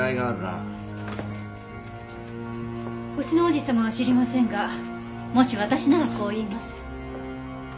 『星の王子さま』は知りませんがもし私ならこう言います。